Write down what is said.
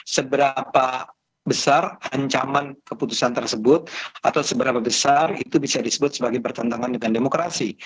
seberapa besar ancaman keputusan tersebut atau seberapa besar itu bisa disebut sebagai bertentangan dengan demokrasi